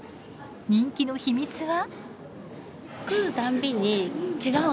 人気の秘密は。